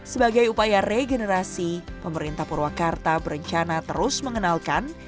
sebagai upaya regenerasi pemerintah purwakarta berencana terus mengenalkan